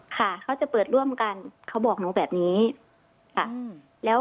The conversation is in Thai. ค่ะเขาจะเปิดร่วมกันเขาบอกหนูแบบนี้ค่ะ